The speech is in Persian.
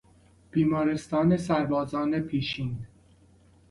بیمارستان سربازان پیشین